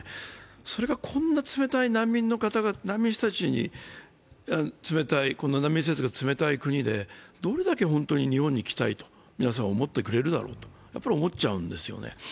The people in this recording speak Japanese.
それがこんな難民の人たちに冷たい国でどれだけ本当に日本に来たいと皆さん思ってくれるだろうと思ってしまうんですよね。